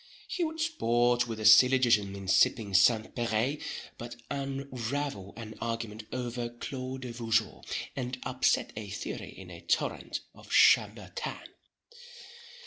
He would sport with a syllogism in sipping St. Peray, but unravel an argument over Clos de Vougeot, and upset a theory in a torrent of Chambertin.